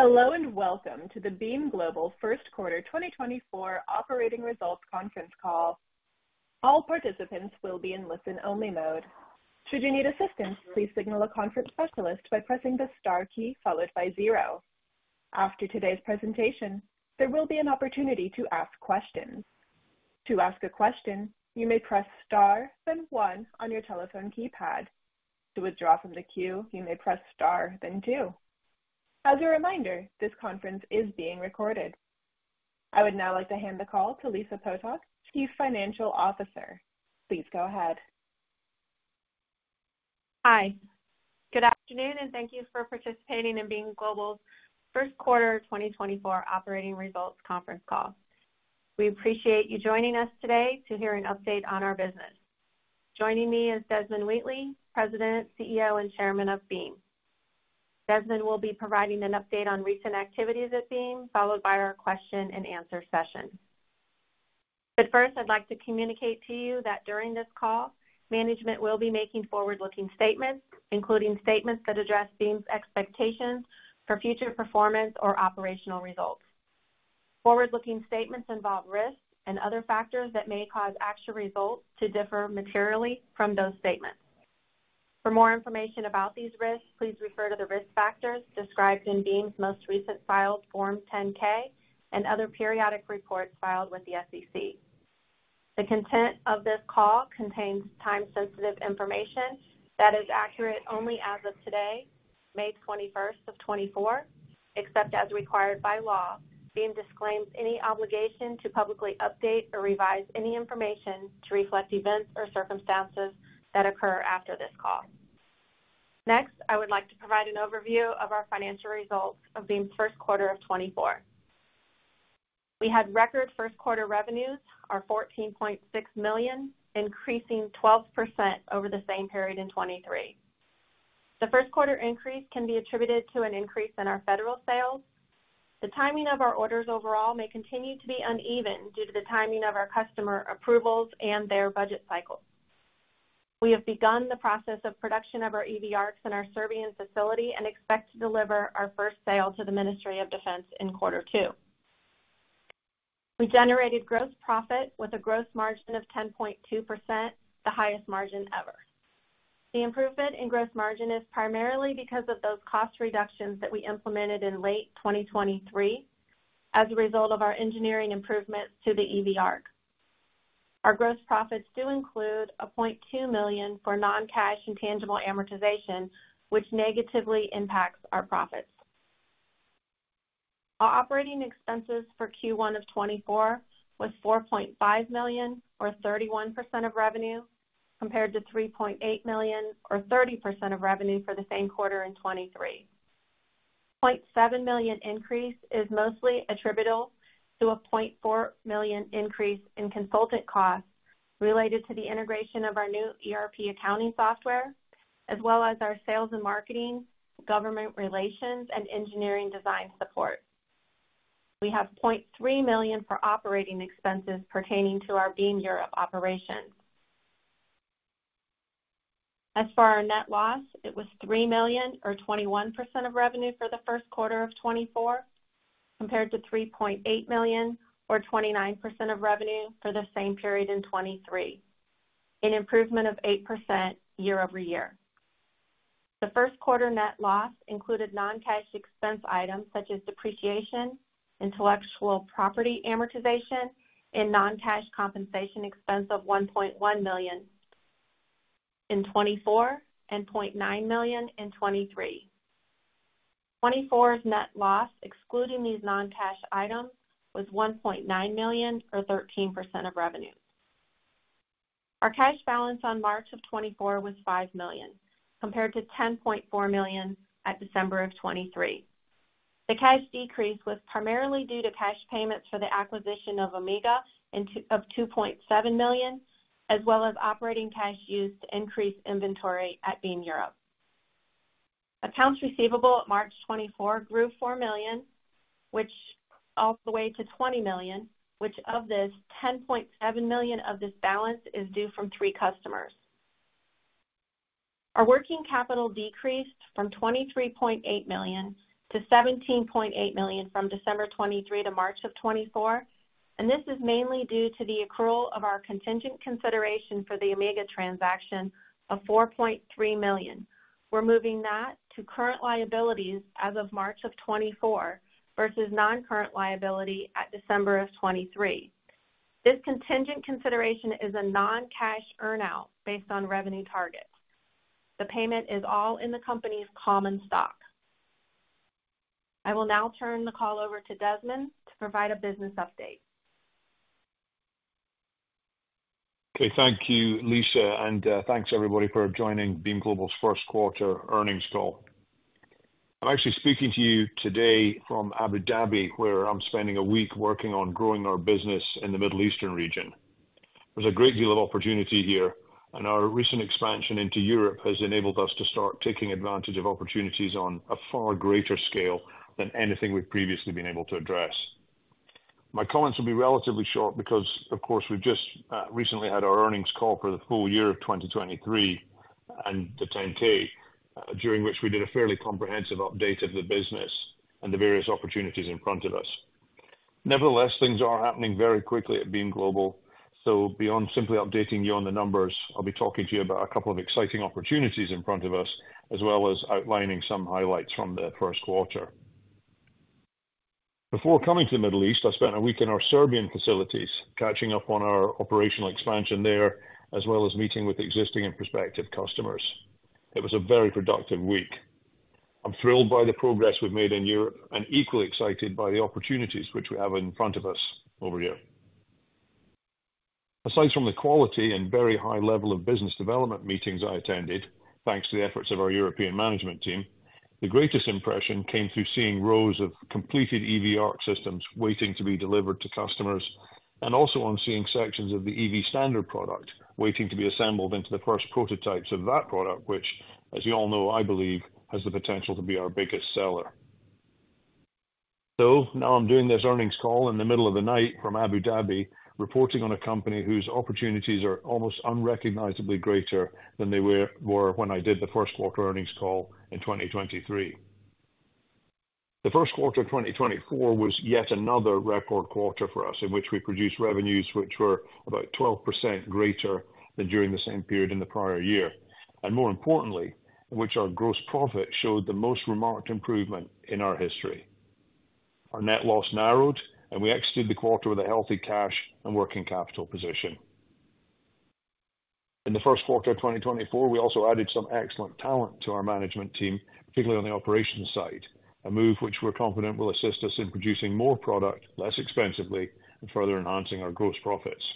Hello, and welcome to the Beam Global first quarter 2024 operating results conference call. All participants will be in listen-only mode. Should you need assistance, please signal a conference specialist by pressing the star key followed by zero. After today's presentation, there will be an opportunity to ask questions. To ask a question, you may press star, then one on your telephone keypad. To withdraw from the queue, you may press star, then two. As a reminder, this conference is being recorded. I would now like to hand the call to Lisa Potok, Chief Financial Officer. Please go ahead. Hi. Good afternoon, and thank you for participating in Beam Global's first quarter 2024 operating results conference call. We appreciate you joining us today to hear an update on our business. Joining me is Desmond Wheatley, President, CEO, and Chairman of Beam. Desmond will be providing an update on recent activities at Beam, followed by our question and answer session. But first, I'd like to communicate to you that during this call, management will be making forward-looking statements, including statements that address Beam's expectations for future performance or operational results. Forward-looking statements involve risks and other factors that may cause actual results to differ materially from those statements. For more information about these risks, please refer to the risk factors described in Beam's most recent filed Form 10-K and other periodic reports filed with the SEC. The content of this call contains time-sensitive information that is accurate only as of today, May twenty-first, 2024, except as required by law. Beam disclaims any obligation to publicly update or revise any information to reflect events or circumstances that occur after this call. Next, I would like to provide an overview of our financial results of Beam's first quarter of 2024. We had record first quarter revenues, our $14.6 million, increasing 12% over the same period in 2023. The first quarter increase can be attributed to an increase in our federal sales. The timing of our orders overall may continue to be uneven due to the timing of our customer approvals and their budget cycles. We have begun the process of production of our EVA RC in our Serbian facility and expect to deliver our first sale to the Ministry of Defense in quarter two. We generated gross profit with a gross margin of 10.2%, the highest margin ever. The improvement in gross margin is primarily because of those cost reductions that we implemented in late 2023 as a result of our engineering improvements to the EV ARC. Our gross profits do include $0.2 million for non-cash intangible amortization, which negatively impacts our profits. Our operating expenses for Q1 of 2024 was $4.5 million, or 31% of revenue, compared to $3.8 million or 30% of revenue for the same quarter in 2023. $0.7 million increase is mostly attributable to a $0.4 million increase in consultant costs related to the integration of our new ERP accounting software, as well as our sales and marketing, government relations, and engineering design support. We have $0.3 million for operating expenses pertaining to our Beam Europe operations. As for our net loss, it was $3 million or 21% of revenue for the first quarter of 2024, compared to $3.8 million or 29% of revenue for the same period in 2023, an improvement of 8% year-over-year. The first quarter net loss included non-cash expense items such as depreciation, intellectual property amortization, and non-cash compensation expense of $1.1 million in 2024 and $0.9 million in 2023. 2024's net loss, excluding these non-cash items, was $1.9 million, or 13% of revenue. Our cash balance on March of 2024 was $5 million, compared to $10.4 million at December of 2023. The cash decrease was primarily due to cash payments for the acquisition of Amiga of $2.7 million, as well as operating cash used to increase inventory at Beam Europe. Accounts receivable at March 2024 grew $4 million, which all the way to $20 million, which of this $10.7 million of this balance is due from three customers. Our working capital decreased from $23.8 million to $17.8 million from December 2023 to March 2024, and this is mainly due to the accrual of our contingent consideration for the Amiga transaction of $4.3 million. We're moving that to current liabilities as of March 2024 versus non-current liability at December 2023. This contingent consideration is a non-cash earn-out based on revenue targets. The payment is all in the company's common stock. I will now turn the call over to Desmond to provide a business update. Okay, thank you, Lisa, and thanks, everybody, for joining Beam Global's first quarter earnings call. I'm actually speaking to you today from Abu Dhabi, where I'm spending a week working on growing our business in the Middle Eastern region. There's a great deal of opportunity here, and our recent expansion into Europe has enabled us to start taking advantage of opportunities on a far greater scale than anything we've previously been able to address. My comments will be relatively short because, of course, we've just recently had our earnings call for the full year of 2023 and the 10-K during which we did a fairly comprehensive update of the business and the various opportunities in front of us. Nevertheless, things are happening very quickly at Beam Global, so beyond simply updating you on the numbers, I'll be talking to you about a couple of exciting opportunities in front of us, as well as outlining some highlights from the first quarter. Before coming to the Middle East, I spent a week in our Serbian facilities catching up on our operational expansion there, as well as meeting with existing and prospective customers. It was a very productive week. I'm thrilled by the progress we've made in Europe and equally excited by the opportunities which we have in front of us over here. Aside from the quality and very high level of business development meetings I attended, thanks to the efforts of our European management team, the greatest impression came through seeing rows of completed EV ARC systems waiting to be delivered to customers, and also on seeing sections of the EV Standard product waiting to be assembled into the first prototypes of that product, which, as you all know, I believe, has the potential to be our biggest seller. So now I'm doing this earnings call in the middle of the night from Abu Dhabi, reporting on a company whose opportunities are almost unrecognizably greater than they were when I did the first quarter earnings call in 2023. The first quarter of 2024 was yet another record quarter for us, in which we produced revenues which were about 12% greater than during the same period in the prior year, and more importantly, in which our gross profit showed the most remarkable improvement in our history. Our net loss narrowed, and we exited the quarter with a healthy cash and working capital position. In the first quarter of 2024, we also added some excellent talent to our management team, particularly on the operations side, a move which we're confident will assist us in producing more product, less expensively, and further enhancing our gross profits.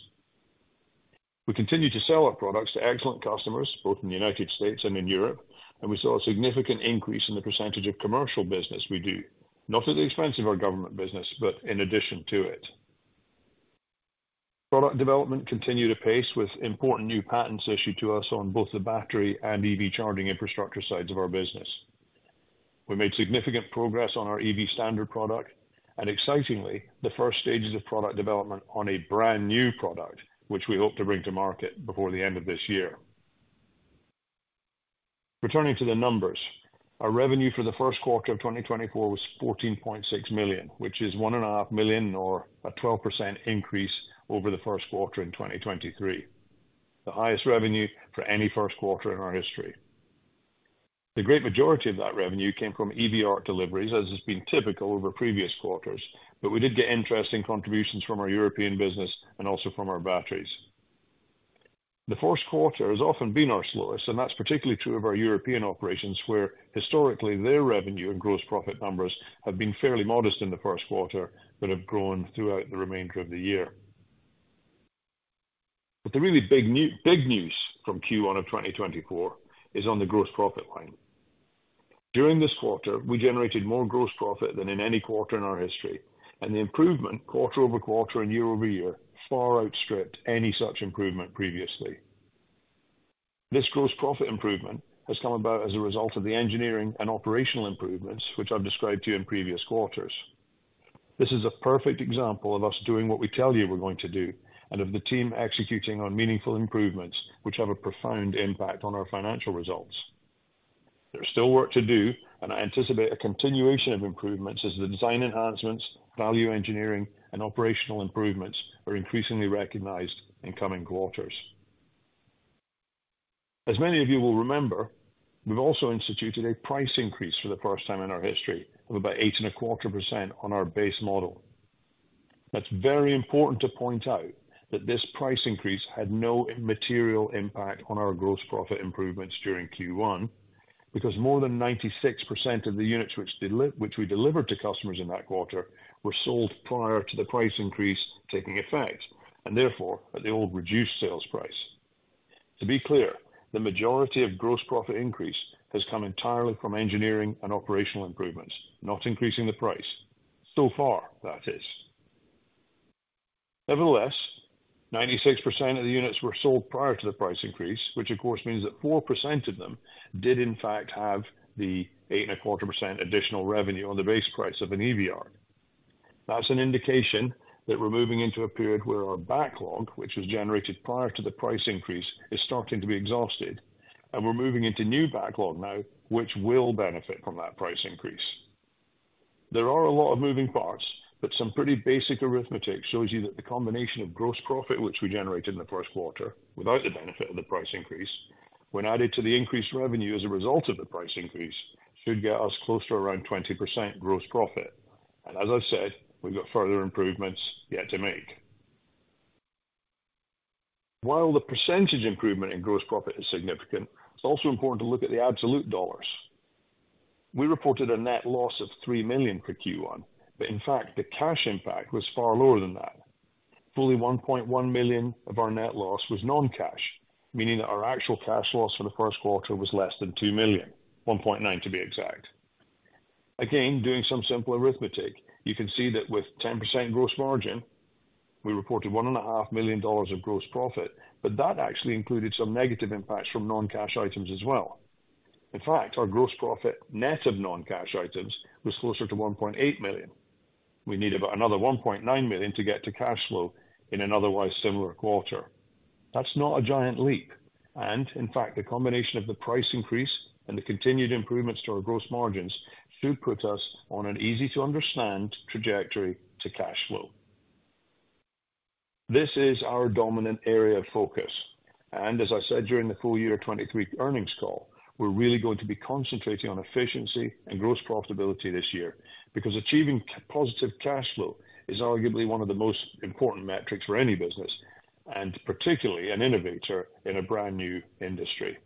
We continued to sell our products to excellent customers, both in the United States and in Europe, and we saw a significant increase in the percentage of commercial business we do, not at the expense of our government business, but in addition to it. Product development continued apace with important new patents issued to us on both the battery and EV charging infrastructure sides of our business. We made significant progress on our EV standard product and excitingly, the first stages of product development on a brand-new product, which we hope to bring to market before the end of this year. Returning to the numbers, our revenue for the first quarter of 2024 was $14.6 million, which is $1.5 million or a 12% increase over the first quarter in 2023, the highest revenue for any first quarter in our history. The great majority of that revenue came from EV ARC deliveries, as has been typical over previous quarters, but we did get interesting contributions from our European business and also from our batteries. The first quarter has often been our slowest, and that's particularly true of our European operations, where historically, their revenue and gross profit numbers have been fairly modest in the first quarter, but have grown throughout the remainder of the year. But the really big news from Q1 of 2024 is on the gross profit line. During this quarter, we generated more gross profit than in any quarter in our history, and the improvement quarter-over-quarter and year-over-year far outstripped any such improvement previously. This gross profit improvement has come about as a result of the engineering and operational improvements, which I've described to you in previous quarters. This is a perfect example of us doing what we tell you we're going to do, and of the team executing on meaningful improvements, which have a profound impact on our financial results. There's still work to do, and I anticipate a continuation of improvements as the design enhancements, value engineering and operational improvements are increasingly recognized in coming quarters. As many of you will remember, we've also instituted a price increase for the first time in our history of about 8.25% on our base model. That's very important to point out that this price increase had no material impact on our gross profit improvements during Q1, because more than 96% of the units which we delivered to customers in that quarter, were sold prior to the price increase taking effect, and therefore, at the old reduced sales price. To be clear, the majority of gross profit increase has come entirely from engineering and operational improvements, not increasing the price. So far, that is. Nevertheless, 96% of the units were sold prior to the price increase, which of course, means that 4% of them did in fact have the 8.25% additional revenue on the base price of an EV ARC. That's an indication that we're moving into a period where our backlog, which was generated prior to the price increase, is starting to be exhausted, and we're moving into new backlog now, which will benefit from that price increase. There are a lot of moving parts, but some pretty basic arithmetic shows you that the combination of gross profit, which we generated in the first quarter without the benefit of the price increase, when added to the increased revenue as a result of the price increase, should get us closer to around 20% gross profit. As I said, we've got further improvements yet to make. While the percentage improvement in gross profit is significant, it's also important to look at the absolute dollars. We reported a net loss of $3 million for Q1, but in fact, the cash impact was far lower than that. Fully $1.1 million of our net loss was non-cash, meaning that our actual cash loss for the first quarter was less than $2 million, $1.9 to be exact. Again, doing some simple arithmetic, you can see that with 10% gross margin. We reported $1.5 million of gross profit, but that actually included some negative impacts from non-cash items as well. In fact, our gross profit, net of non-cash items, was closer to $1.8 million. We need about another $1.9 million to get to cash flow in an otherwise similar quarter. That's not a giant leap, and in fact, the combination of the price increase and the continued improvements to our gross margins should put us on an easy-to-understand trajectory to cash flow. This is our dominant area of focus, and as I said during the full year 2023 earnings call, we're really going to be concentrating on efficiency and gross profitability this year, because achieving positive cash flow is arguably one of the most important metrics for any business, and particularly an innovator in a brand-new industry.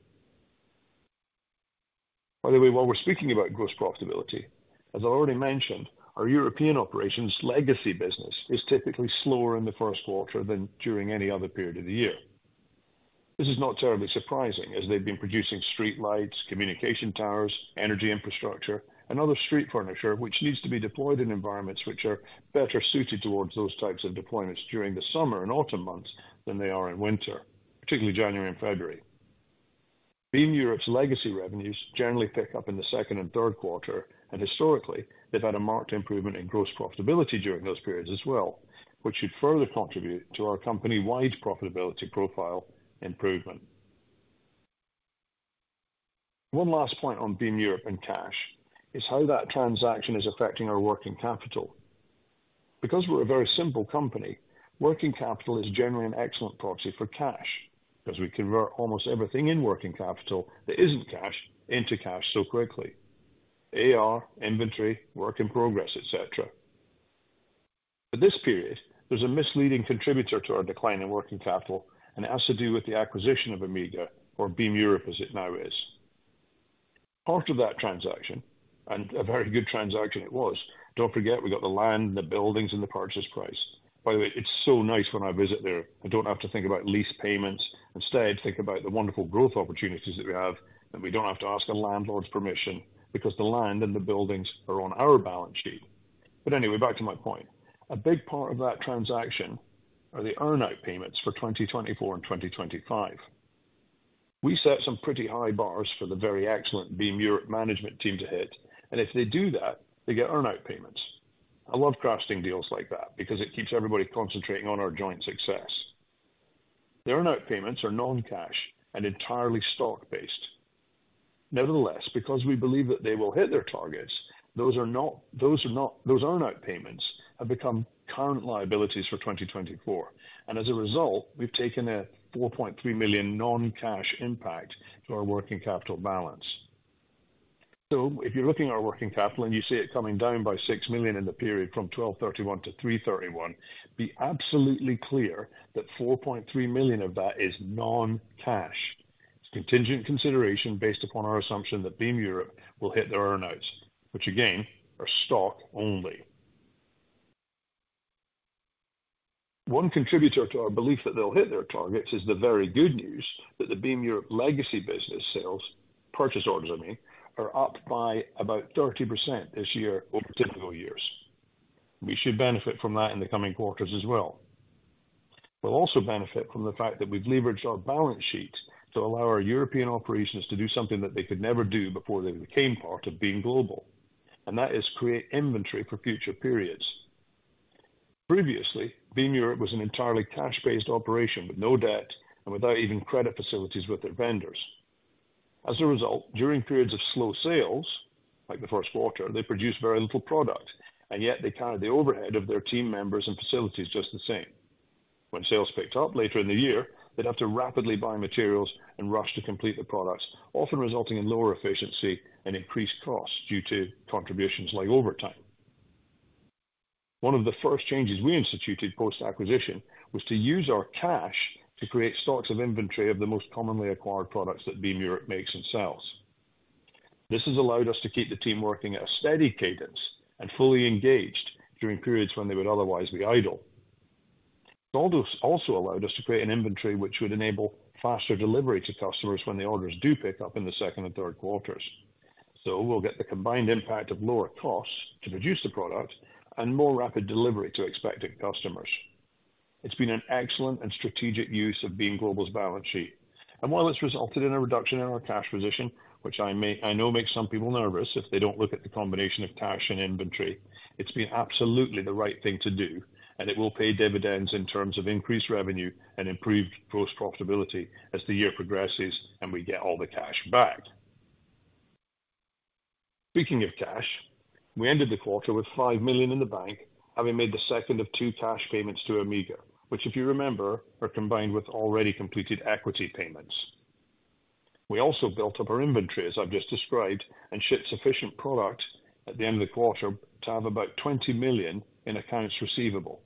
By the way, while we're speaking about gross profitability, as I already mentioned, our European operations legacy business is typically slower in the first quarter than during any other period of the year. This is not terribly surprising, as they've been producing streetlights, communication towers, energy infrastructure, and other street furniture, which needs to be deployed in environments which are better suited towards those types of deployments during the summer and autumn months than they are in winter, particularly January and February. Beam Europe's legacy revenues generally pick up in the second and third quarter, and historically, they've had a marked improvement in gross profitability during those periods as well, which should further contribute to our company-wide profitability profile improvement. One last point on Beam Europe and cash is how that transaction is affecting our working capital. Because we're a very simple company, working capital is generally an excellent proxy for cash, as we convert almost everything in working capital that isn't cash into cash so quickly. AR, inventory, work in progress, et cetera. For this period, there's a misleading contributor to our decline in working capital, and it has to do with the acquisition of Amiga, or Beam Europe, as it now is. Part of that transaction, and a very good transaction it was, don't forget, we got the land, the buildings, and the purchase price. By the way, it's so nice when I visit there. I don't have to think about lease payments. Instead, think about the wonderful growth opportunities that we have, and we don't have to ask the landlord's permission because the land and the buildings are on our balance sheet. But anyway, back to my point. A big part of that transaction are the earn-out payments for 2024 and 2025. We set some pretty high bars for the very excellent Beam Europe management team to hit, and if they do that, they get earn-out payments. I love crafting deals like that because it keeps everybody concentrating on our joint success. The earn-out payments are non-cash and entirely stock-based. Nevertheless, because we believe that they will hit their targets, those earn-out payments have become current liabilities for 2024, and as a result, we've taken a $4.3 million non-cash impact to our working capital balance. So if you're looking at our working capital and you see it coming down by $6 million in the period from 12/31-3/31, be absolutely clear that $4.3 million of that is non-cash. It's contingent consideration based upon our assumption that Beam Europe will hit their earn-outs, which again, are stock only. One contributor to our belief that they'll hit their targets is the very good news that the Beam Europe legacy business sales, purchase orders, I mean, are up by about 30% this year over typical years. We should benefit from that in the coming quarters as well. We'll also benefit from the fact that we've leveraged our balance sheet to allow our European operations to do something that they could never do before they became part of Beam Global, and that is create inventory for future periods. Previously, Beam Europe was an entirely cash-based operation with no debt and without even credit facilities with their vendors. As a result, during periods of slow sales, like the first quarter, they produced very little product, and yet they carried the overhead of their team members and facilities just the same. When sales picked up later in the year, they'd have to rapidly buy materials and rush to complete the products, often resulting in lower efficiency and increased costs due to contributions like overtime. One of the first changes we instituted post-acquisition was to use our cash to create stocks of inventory of the most commonly acquired products that Beam Europe makes and sells. This has allowed us to keep the team working at a steady cadence and fully engaged during periods when they would otherwise be idle. It also allowed us to create an inventory which would enable faster delivery to customers when the orders do pick up in the second and third quarters. We'll get the combined impact of lower costs to produce the product and more rapid delivery to expecting customers. It's been an excellent and strategic use of Beam Global's balance sheet, and while it's resulted in a reduction in our cash position, which I know makes some people nervous if they don't look at the combination of cash and inventory, it's been absolutely the right thing to do, and it will pay dividends in terms of increased revenue and improved gross profitability as the year progresses and we get all the cash back. Speaking of cash, we ended the quarter with $5 million in the bank, having made the second of two cash payments to Amiga, which, if you remember, are combined with already completed equity payments. We also built up our inventory, as I've just described, and shipped sufficient product at the end of the quarter to have about $20 million in accounts receivable.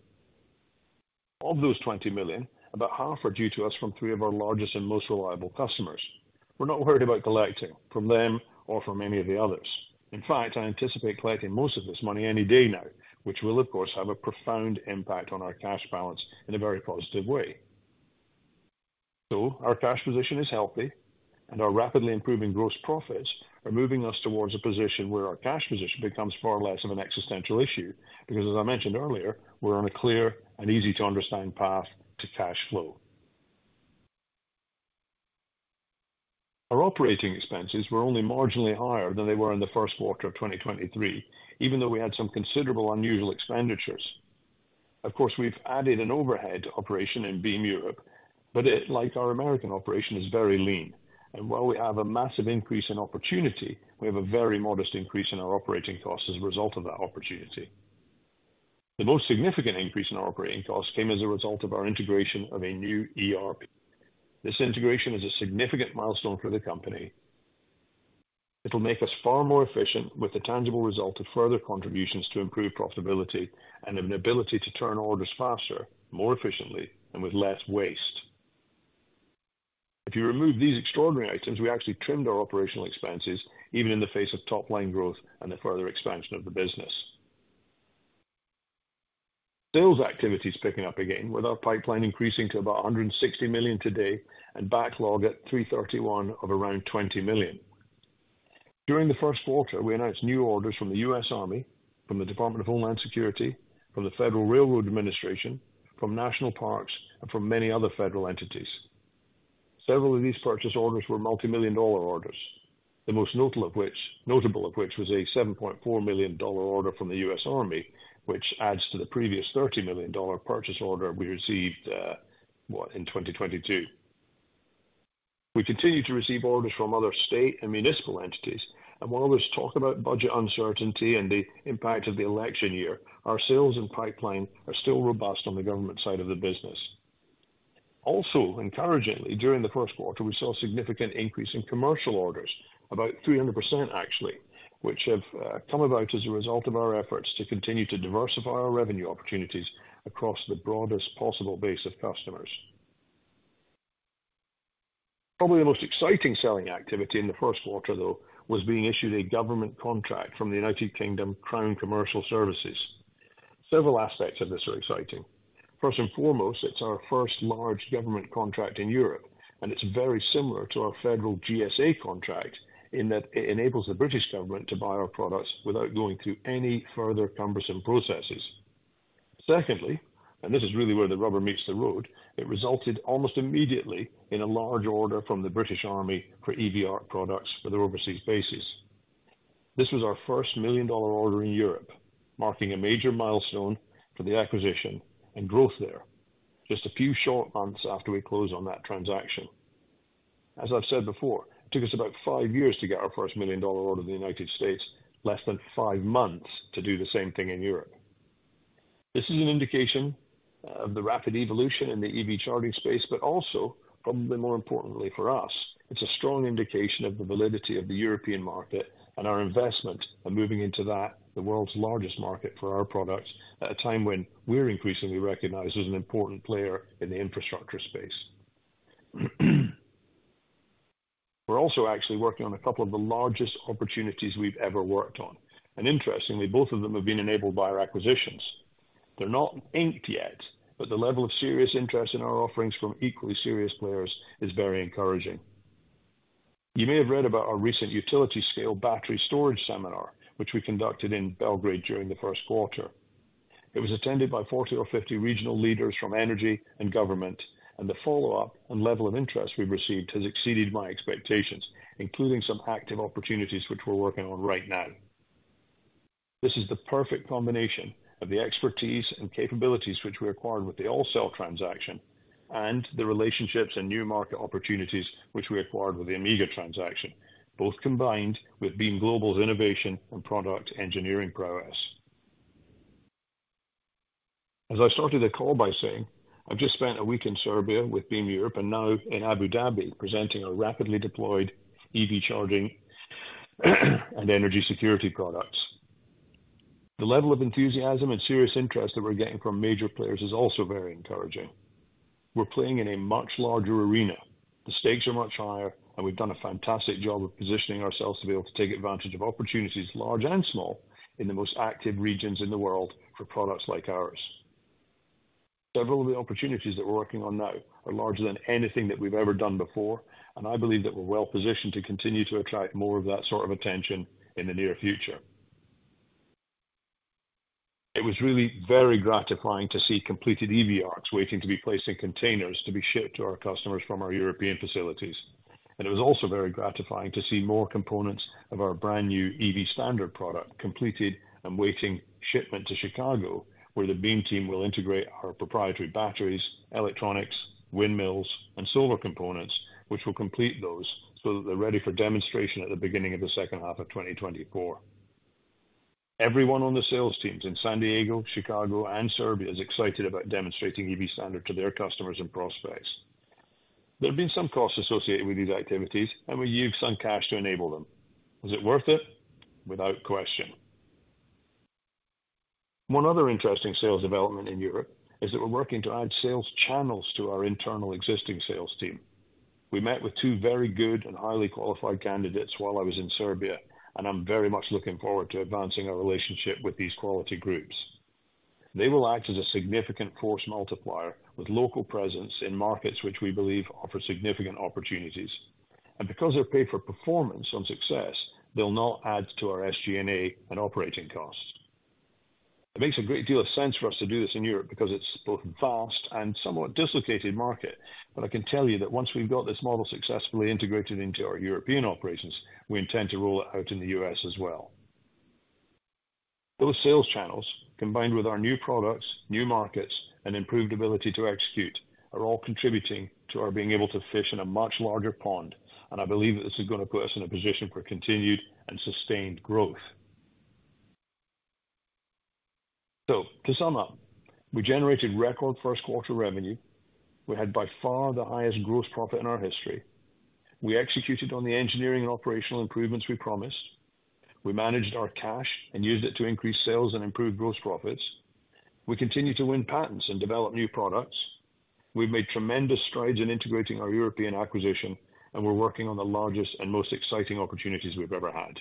Of those $20 million, about half are due to us from three of our largest and most reliable customers. We're not worried about collecting from them or from any of the others. In fact, I anticipate collecting most of this money any day now, which will, of course, have a profound impact on our cash balance in a very positive way. So our cash position is healthy and our rapidly improving gross profits are moving us towards a position where our cash position becomes far less of an existential issue, because, as I mentioned earlier, we're on a clear and easy to understand path to cash flow. Our operating expenses were only marginally higher than they were in the first quarter of 2023, even though we had some considerable unusual expenditures. Of course, we've added an overhead operation in Beam Europe, but it, like our American operation, is very lean, and while we have a massive increase in opportunity, we have a very modest increase in our operating costs as a result of that opportunity. The most significant increase in our operating costs came as a result of our integration of a new ERP. This integration is a significant milestone for the company. It'll make us far more efficient with the tangible result of further contributions to improved profitability and an ability to turn orders faster, more efficiently, and with less waste. If you remove these extraordinary items, we actually trimmed our operational expenses, even in the face of top-line growth and the further expansion of the business. Sales activity is picking up again, with our pipeline increasing to about $160 million today and backlog at $3.31 million of around $20 million. During the first quarter, we announced new orders from the U.S. Army, from the Department of Homeland Security, from the Federal Railroad Administration, from National Parks, and from many other federal entities. Several of these purchase orders were multimillion-dollar orders, the most notable of which was a $7.4 million order from the U.S. Army, which adds to the previous $30 million purchase order we received in 2022. We continue to receive orders from other state and municipal entities, and while there's talk about budget uncertainty and the impact of the election year, our sales and pipeline are still robust on the government side of the business. Also, encouragingly, during the first quarter, we saw a significant increase in commercial orders, about 300%, actually, which have come about as a result of our efforts to continue to diversify our revenue opportunities across the broadest possible base of customers. Probably the most exciting selling activity in the first quarter, though, was being issued a government contract from the United Kingdom Crown Commercial Service. Several aspects of this are exciting. First and foremost, it's our first large government contract in Europe, and it's very similar to our federal GSA contract in that it enables the British government to buy our products without going through any further cumbersome processes. Secondly, and this is really where the rubber meets the road, it resulted almost immediately in a large order from the British Army for EV ARC products for their overseas bases. This was our first $1 million order in Europe, marking a major milestone for the acquisition and growth there just a few short months after we closed on that transaction. As I've said before, it took us about five years to get our first $1 million order in the United States, less than five months to do the same thing in Europe. This is an indication of the rapid evolution in the EV charging space, but also, probably more importantly for us, it's a strong indication of the validity of the European market and our investment and moving into that, the world's largest market for our products, at a time when we're increasingly recognized as an important player in the infrastructure space. We're also actually working on a couple of the largest opportunities we've ever worked on, and interestingly, both of them have been enabled by our acquisitions. They're not inked yet, but the level of serious interest in our offerings from equally serious players is very encouraging. You may have read about our recent utility-scale battery storage seminar, which we conducted in Belgrade during the first quarter. It was attended by 40 or 50 regional leaders from energy and government, and the follow-up and level of interest we've received has exceeded my expectations, including some active opportunities which we're working on right now. This is the perfect combination of the expertise and capabilities which we acquired with the AllCell transaction and the relationships and new market opportunities which we acquired with the Amiga transaction, both combined with Beam Global's innovation and product engineering prowess. As I started the call by saying, I've just spent a week in Serbia with Beam Europe and now in Abu Dhabi, presenting our rapidly deployed EV charging and energy security products. The level of enthusiasm and serious interest that we're getting from major players is also very encouraging. We're playing in a much larger arena. The stakes are much higher, and we've done a fantastic job of positioning ourselves to be able to take advantage of opportunities, large and small, in the most active regions in the world for products like ours. Several of the opportunities that we're working on now are larger than anything that we've ever done before, and I believe that we're well positioned to continue to attract more of that sort of attention in the near future. It was really very gratifying to see completed EV ARCs waiting to be placed in containers to be shipped to our customers from our European facilities. It was also very gratifying to see more components of our brand-new EV Standard product completed and waiting shipment to Chicago, where the Beam team will integrate our proprietary batteries, electronics, windmills, and solar components, which will complete those so that they're ready for demonstration at the beginning of the second half of 2024. Everyone on the sales teams in San Diego, Chicago, and Serbia is excited about demonstrating EV Standard to their customers and prospects. There have been some costs associated with these activities, and we used some cash to enable them. Was it worth it? Without question. One other interesting sales development in Europe is that we're working to add sales channels to our internal existing sales team. We met with two very good and highly qualified candidates while I was in Serbia, and I'm very much looking forward to advancing our relationship with these quality groups... They will act as a significant force multiplier with local presence in markets which we believe offer significant opportunities. And because they're paid for performance on success, they'll not add to our SG&A and operating costs. It makes a great deal of sense for us to do this in Europe because it's both a vast and somewhat dislocated market. But I can tell you that once we've got this model successfully integrated into our European operations, we intend to roll it out in the U.S. as well. Those sales channels, combined with our new products, new markets, and improved ability to execute, are all contributing to our being able to fish in a much larger pond, and I believe that this is gonna put us in a position for continued and sustained growth. So to sum up, we generated record first quarter revenue. We had by far the highest gross profit in our history. We executed on the engineering and operational improvements we promised. We managed our cash and used it to increase sales and improve gross profits. We continued to win patents and develop new products. We've made tremendous strides in integrating our European acquisition, and we're working on the largest and most exciting opportunities we've ever had.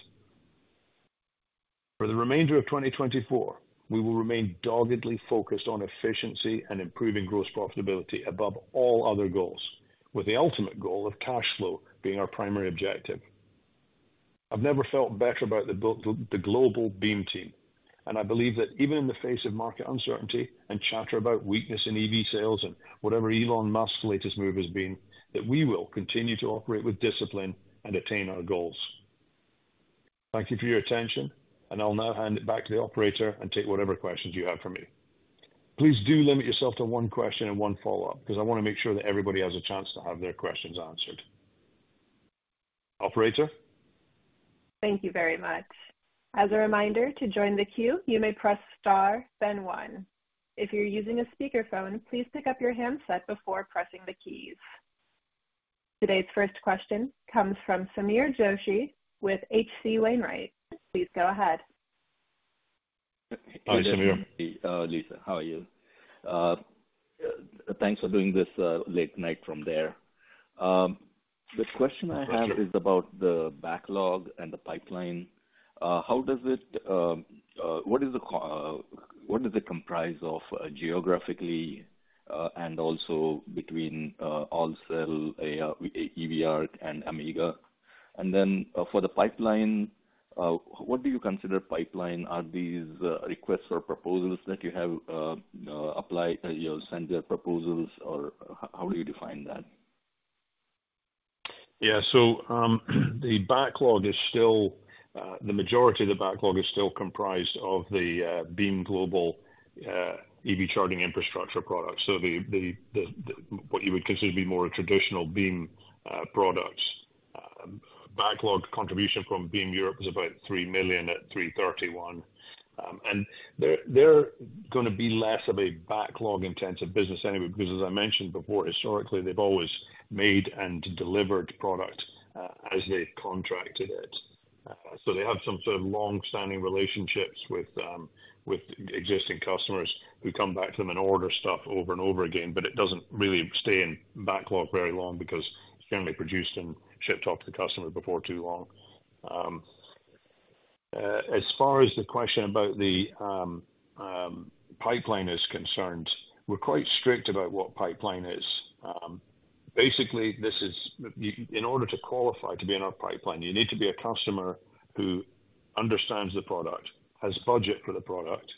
For the remainder of 2024, we will remain doggedly focused on efficiency and improving gross profitability above all other goals, with the ultimate goal of cash flow being our primary objective. I've never felt better about the global Beam team, and I believe that even in the face of market uncertainty and chatter about weakness in EV sales and whatever Elon Musk's latest move has been, that we will continue to operate with discipline and attain our goals. Thank you for your attention, and I'll now hand it back to the operator and take whatever questions you have for me. Please do limit yourself to one question and one follow-up, 'cause I wanna make sure that everybody has a chance to have their questions answered. Operator? Thank you very much. As a reminder, to join the queue, you may press star, then one. If you're using a speakerphone, please pick up your handset before pressing the keys. Today's first question comes from Sameer Joshi with H.C. Wainwright. Please go ahead. Hi, Sameer. Lisa, how are you? Thanks for doing this, late night from there. The question I have is about the backlog and the pipeline. How does it, what does it comprise of geographically, and also between, AllCell, EV Arc and Amiga? And then, for the pipeline, what do you consider pipeline? Are these, requests or proposals that you have, applied, you know, sent their proposals, or how do you define that? Yeah, so the backlog is still the majority of the backlog is still comprised of the Beam Global EV charging infrastructure products. So what you would consider to be more traditional Beam products. Backlog contribution from Beam Europe is about $3 million at 3/31. And they're gonna be less of a backlog-intensive business anyway, because as I mentioned before, historically, they've always made and delivered product as they contracted it. So they have some sort of long-standing relationships with existing customers who come back to them and order stuff over and over again, but it doesn't really stay in backlog very long because it's generally produced and shipped off to the customer before too long. As far as the question about the pipeline is concerned, we're quite strict about what pipeline is. Basically, in order to qualify to be in our pipeline, you need to be a customer who understands the product, has budget for the product,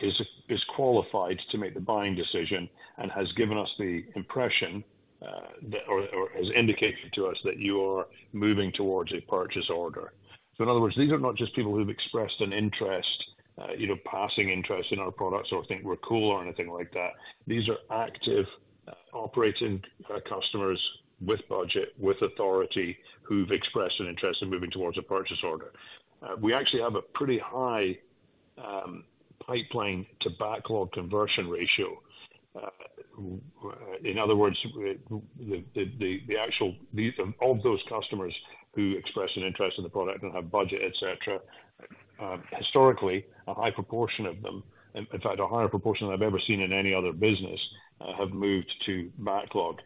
is qualified to make the buying decision, and has given us the impression that or has indicated to us that you are moving towards a purchase order. So in other words, these are not just people who've expressed an interest, you know, passing interest in our products or think we're cool or anything like that. These are active, operating, customers with budget, with authority, who've expressed an interest in moving towards a purchase order. We actually have a pretty high pipeline to backlog conversion ratio. In other words, the actual of those customers who express an interest in the product and have budget, et cetera, historically, a high proportion of them, in fact, a higher proportion than I've ever seen in any other business, have moved to backlog.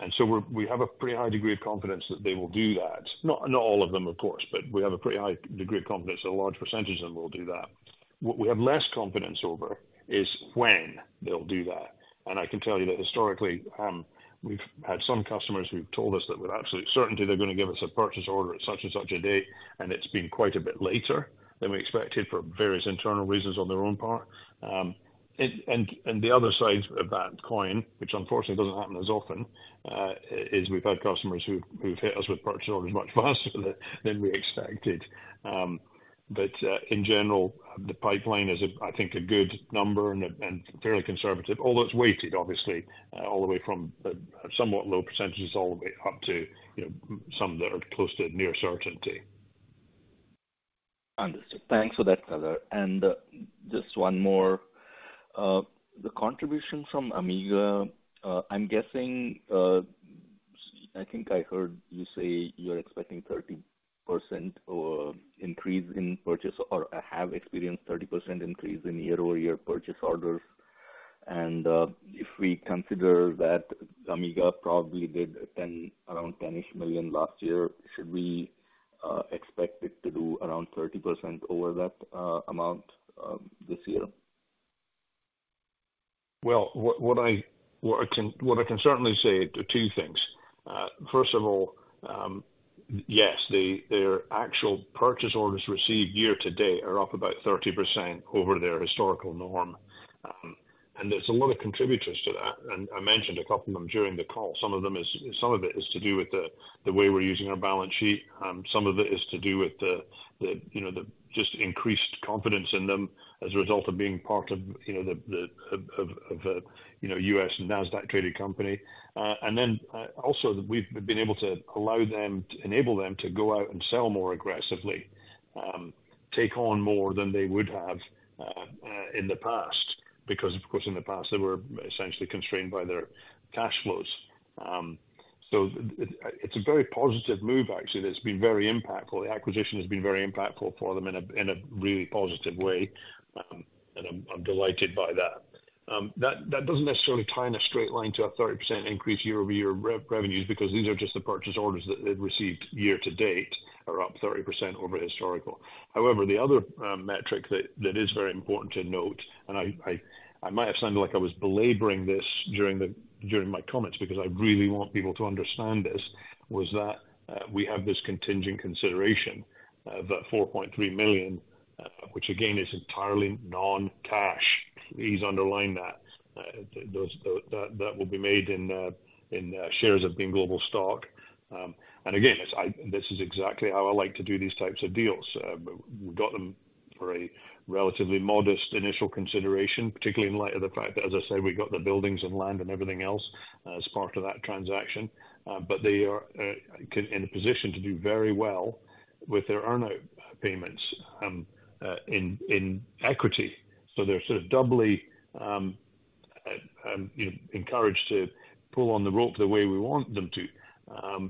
And so we have a pretty high degree of confidence that they will do that. Not all of them, of course, but we have a pretty high degree of confidence that a large percentage of them will do that. What we have less confidence over is when they'll do that, and I can tell you that historically, we've had some customers who've told us that with absolute certainty, they're gonna give us a purchase order at such and such a date, and it's been quite a bit later than we expected for various internal reasons on their own part. And the other side of that coin, which unfortunately doesn't happen as often, is we've had customers who've hit us with purchase orders much faster than we expected. But in general, the pipeline is, I think, a good number and fairly conservative, although it's weighted, obviously, all the way from a somewhat low percentages all the way up to, you know, some that are close to near certainty. Understood. Thanks for that color. And just one more. The contribution from Amiga, I'm guessing, I think I heard you say you're expecting 30% or increase in purchase or have experienced 30% increase in year-over-year purchase orders. And, if we consider that Amiga probably did around $10 million last year, should we expect it to do around 30% over that amount this year? Well, what, what I, what I can, what I can certainly say are two things. First of all, yes, their actual purchase orders received year to date are up about 30% over their historical norm. And there's a lot of contributors to that, and I mentioned a couple of them during the call. Some of it is to do with the way we're using our balance sheet. Some of it is to do with the, you know, the just increased confidence in them as a result of being part of, you know, the, the, of, of, of a, you know, U.S. and Nasdaq-traded company. And then, also we've been able to allow them to enable them to go out and sell more aggressively, take on more than they would have in the past, because, of course, in the past, they were essentially constrained by their cash flows. So it's a very positive move, actually, that's been very impactful. The acquisition has been very impactful for them in a really positive way. And I'm delighted by that. That doesn't necessarily tie in a straight line to a 30% increase year-over-year revenues, because these are just the purchase orders that they've received year-to-date, are up 30% over historical. However, the other metric that is very important to note, and I might have sounded like I was belaboring this during my comments, because I really want people to understand this, was that we have this contingent consideration that $4.3 million, which again, is entirely non-cash. Please underline that. Those that will be made in shares of Beam Global stock. And again, this is exactly how I like to do these types of deals. We got them for a relatively modest initial consideration, particularly in light of the fact that, as I say, we got the buildings and land and everything else as part of that transaction. But they are in a position to do very well with their earn-out payments in equity. So they're sort of doubly, you know, encouraged to pull on the rope the way we want them to,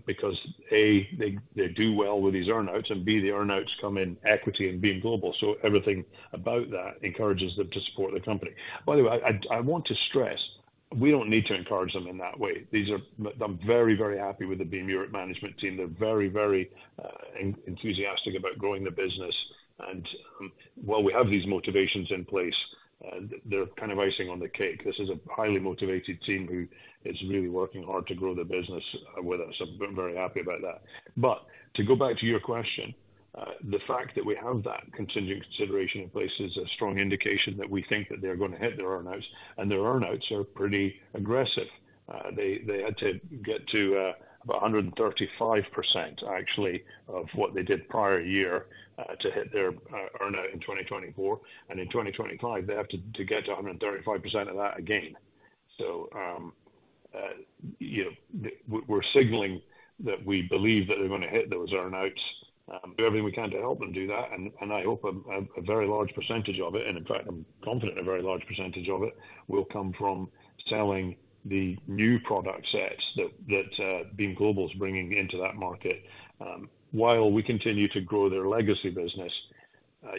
because, A, they, they do well with these earn-outs, and B, the earn-outs come in equity in Beam Global. So everything about that encourages them to support the company. By the way, I want to stress, we don't need to encourage them in that way. These are... I'm very, very happy with the Beam Europe management team. They're very, very, enthusiastic about growing the business, and, while we have these motivations in place, they're kind of icing on the cake. This is a highly motivated team who is really working hard to grow the business, with us, so I'm very happy about that. But to go back to your question, the fact that we have that contingent consideration in place is a strong indication that we think that they're gonna hit their earn-outs, and their earn-outs are pretty aggressive. They had to get to about 135%, actually, of what they did prior year, to hit their earn-out in 2024. And in 2025, they have to get to 135% of that again. So, you know, we're signaling that we believe that they're gonna hit those earn-outs, do everything we can to help them do that. I hope a very large percentage of it, and in fact, I'm confident a very large percentage of it, will come from selling the new product sets that Beam Global is bringing into that market. While we continue to grow their legacy business,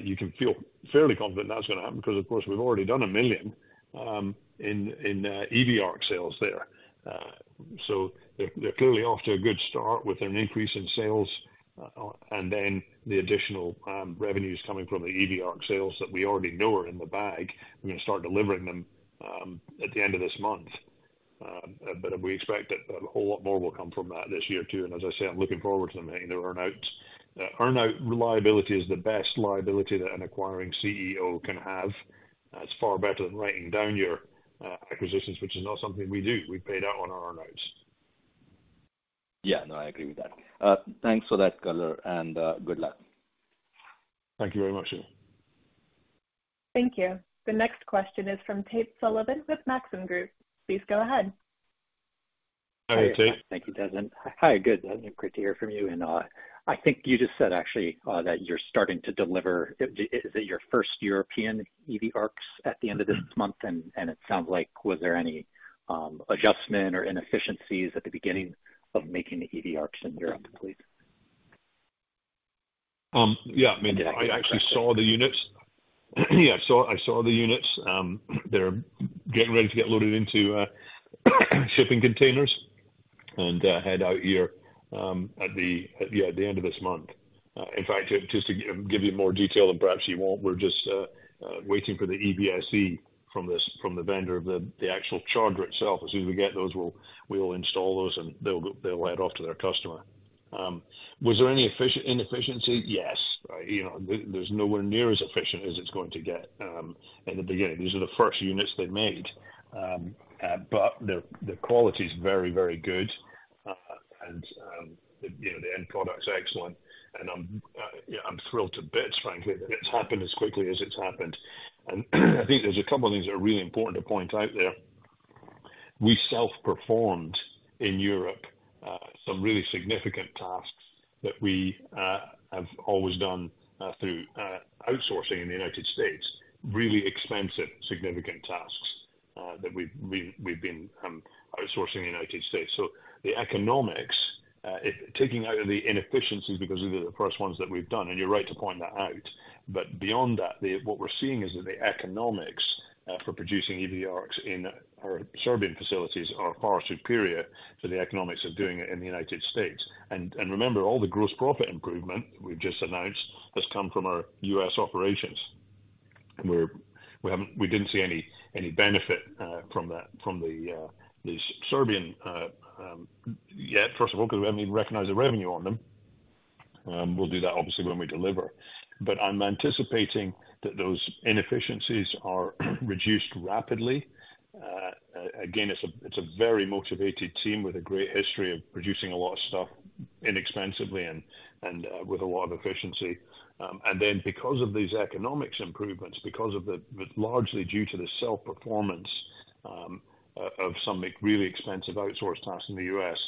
you can feel fairly confident that's gonna happen, because, of course, we've already done $1 million in EV ARC sales there. So they're clearly off to a good start with an increase in sales, and then the additional revenues coming from the EV ARC sales that we already know are in the bag. We're gonna start delivering them at the end of this month. But we expect that a whole lot more will come from that this year, too. And as I say, I'm looking forward to them hitting their earn-outs. Earn-out reliability is the best liability that an acquiring CEO can have. It's far better than writing down your acquisitions, which is not something we do. We pay out on our earn-outs. Yeah. No, I agree with that. Thanks for that color, and, good luck. Thank you very much, sir. Thank you. The next question is from Tate Sullivan with Maxim Group. Please go ahead. Hi, Tate. Thank you, Desmond. Hi, good, great to hear from you, and I think you just said, actually, that you're starting to deliver, is it your first European EV ARCs at the end of this month? And it sounds like was there any adjustment or inefficiencies at the beginning of making the EV ARCs in Europe, please? Yeah, I mean- Did I get that?... I actually saw the units. Yeah, I saw, I saw the units. They're getting ready to get loaded into shipping containers and head out here at the end of this month. In fact, just to give you more detail, and perhaps you won't, we're just waiting for the EVSE from the vendor of the actual charger itself. As soon as we get those, we'll install those, and they'll head off to their customer. Was there any inefficiency? Yes. You know, there's nowhere near as efficient as it's going to get in the beginning. These are the first units they made. But the quality is very, very good. And, you know, the end product's excellent, and I'm, you know, I'm thrilled to bits, frankly, that it's happened as quickly as it's happened. And I think there's a couple of things that are really important to point out there. We self-performed in Europe, some really significant tasks that we have always done through outsourcing in the United States, really expensive, significant tasks, that we've been outsourcing in the United States. So the economics, it taking out of the inefficiencies because these are the first ones that we've done, and you're right to point that out. But beyond that, what we're seeing is that the economics for producing EV ARCs in our Serbian facilities are far superior to the economics of doing it in the United States. Remember, all the gross profit improvement we've just announced has come from our U.S. operations. We haven't, we didn't see any benefit from that, from the Serbian yet, first of all, because we haven't even recognized the revenue on them. We'll do that obviously when we deliver. But I'm anticipating that those inefficiencies are reduced rapidly. Again, it's a very motivated team with a great history of producing a lot of stuff inexpensively and with a lot of efficiency. And then because of these economics improvements, because of the largely due to the self-performance of some really expensive outsourced tasks in the U.S.,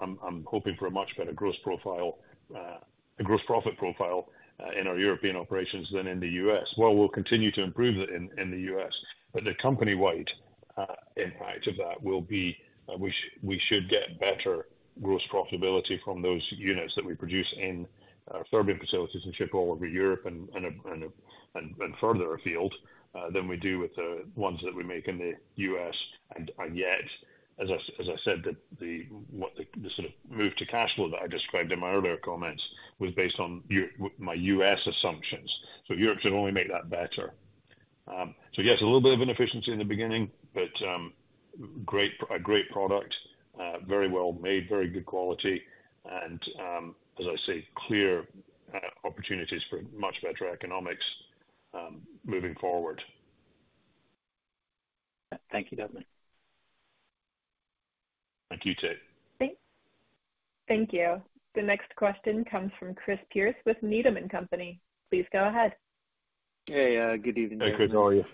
I'm hoping for a much better gross profile, a gross profit profile, in our European operations than in the U.S. Well, we'll continue to improve it in the U.S., but the company-wide impact of that will be we should get better gross profitability from those units that we produce in our Serbian facilities and ship all over Europe and further afield than we do with the ones that we make in the U.S. And yet, as I said, the sort of move to cash flow that I described in my earlier comments was based on my U.S. assumptions. So Europe should only make that better. So yes, a little bit of inefficiency in the beginning, but great, a great product, very well made, very good quality, and as I say, clear opportunities for much better economics moving forward. Thank you, Dominic. Thank you, Tate. Thank you. The next question comes from Chris Pierce with Needham & Company. Please go ahead. Hey, good evening. Hey, good, how are you?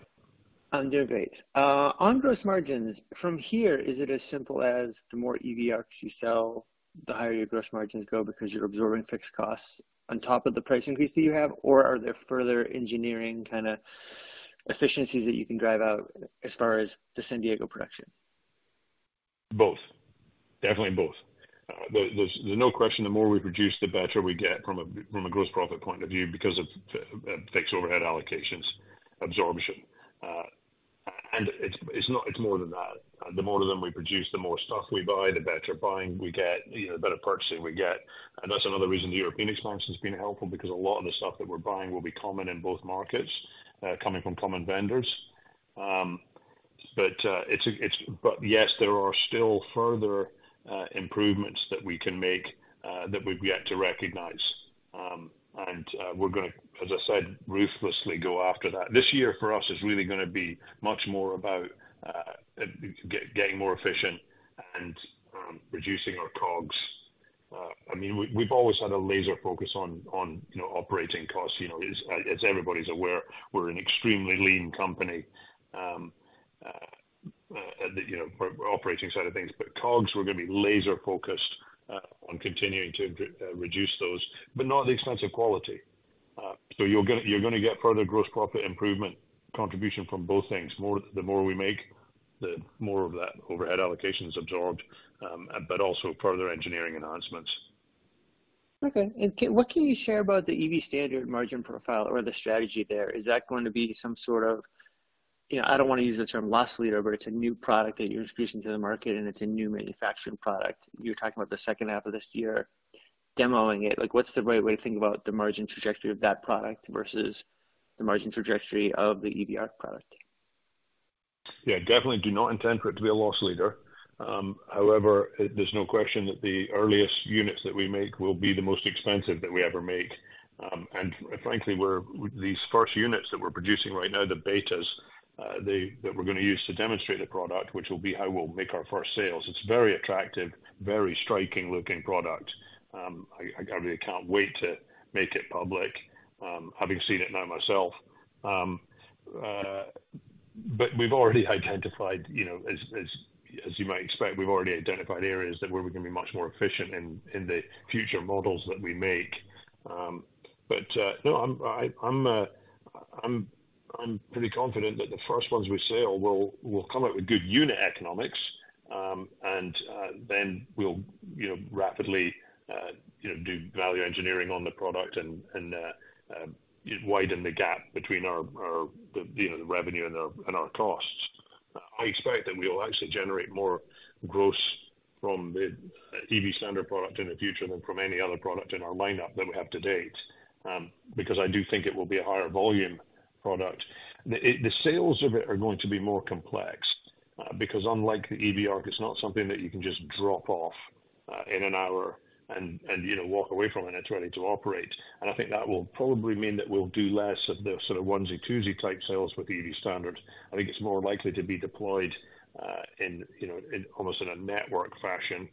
I'm doing great. On gross margins, from here, is it as simple as the more EV ARCs you sell, the higher your gross margins go because you're absorbing fixed costs on top of the price increase that you have? Or are there further engineering kinda efficiencies that you can drive out as far as the San Diego production? Both. Definitely both. There's no question, the more we produce, the better we get from a gross profit point of view because of fixed overhead allocations, absorption. And it's not, it's more than that. The more of them we produce, the more stuff we buy, the better buying we get, you know, the better purchasing we get. And that's another reason the European experience has been helpful, because a lot of the stuff that we're buying will be common in both markets, coming from common vendors. But yes, there are still further improvements that we can make, that we've yet to recognize. And we're gonna, as I said, ruthlessly go after that. This year, for us, is really gonna be much more about getting more efficient and reducing our COGS. I mean, we've always had a laser focus on, you know, operating costs, you know, it's everybody's aware we're an extremely lean company. You know, for operating side of things, but COGS, we're gonna be laser focused on continuing to reduce those, but not at the expense of quality. So you're gonna, you're gonna get further gross profit improvement contribution from both things. More, the more we make, the more of that overhead allocation is absorbed, but also further engineering enhancements. Okay. And what can you share about the EV Standard margin profile or the strategy there? Is that going to be some sort of, you know, I don't want to use the term loss leader, but it's a new product that you're introducing to the market, and it's a new manufacturing product. You're talking about the second half of this year, demoing it. Like, what's the right way to think about the margin trajectory of that product versus the margin trajectory of the EV ARC product? Yeah, definitely do not intend for it to be a loss leader. However, there's no question that the earliest units that we make will be the most expensive that we ever make. And frankly, these first units that we're producing right now, the betas, that we're gonna use to demonstrate the product, which will be how we'll make our first sales. It's very attractive, very striking looking product. I really can't wait to make it public, having seen it now myself. But we've already identified, you know, as you might expect, we've already identified areas where we can be much more efficient in the future models that we make. But no, I'm pretty confident that the first ones we sell will come up with good unit economics, and then we'll, you know, rapidly, you know, do value engineering on the product and widen the gap between our revenue and our costs. I expect that we will actually generate more gross from the EV Standard product in the future than from any other product in our lineup that we have to date, because I do think it will be a higher volume product. The sales of it are going to be more complex, because unlike the EV Arc, it's not something that you can just drop off in an hour and, you know, walk away from, and it's ready to operate. And I think that will probably mean that we'll do less of the sort of onesie-twosie type sales with the EV Standard. I think it's more likely to be deployed in you know in almost in a network fashion.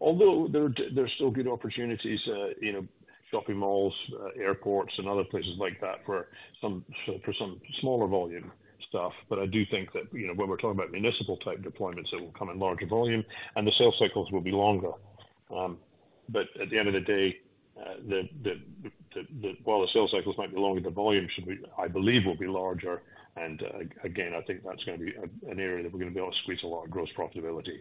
Although there's still good opportunities in shopping malls airports and other places like that for some smaller volume stuff. But I do think that you know when we're talking about municipal type deployments it will come in larger volume and the sales cycles will be longer. But at the end of the day, while the sales cycles might be longer, the volume should be, I believe, will be larger. And again, I think that's gonna be an area that we're gonna be able to squeeze a lot of gross profitability.